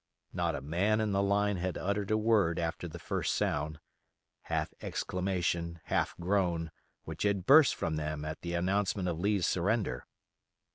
Not a man in the line had uttered a word after the first sound, half exclamation, half groan, which had burst from them at the announcement of Lee's surrender.